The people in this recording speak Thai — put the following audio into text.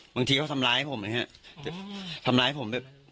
บางทีเขาทำร้ายผมอย่างนี้ทำร้ายผมแบบ